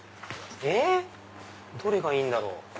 えっ？どれがいいんだろう。